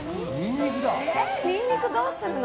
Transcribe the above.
ニンニクどうするの？